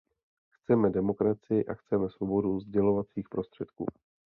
Chceme demokracii a chceme svobodu sdělovacích prostředků.